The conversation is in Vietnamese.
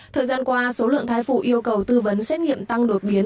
thời gian qua số lượng thai vụ yêu cầu tư vấn xét nghiệm tăng đột biến